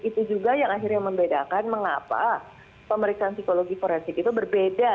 itu juga yang akhirnya membedakan mengapa pemeriksaan psikologi forensik itu berbeda